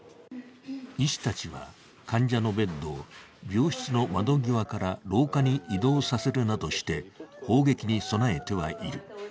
医師たちは、患者のベッドを病室の窓際から廊下に移動させるなどして砲撃に備えてはいる。